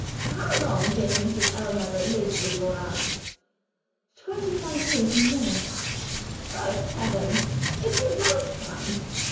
How long did Mrs. Ellmother live with your aunt?" "Twenty five years, and more.' "Good heavens, it's a lifetime!